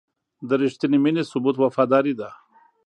د رښتینې مینې ثبوت وفاداري ده.